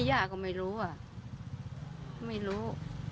ไม่ย่าก็ไม่รู้ไม่รู้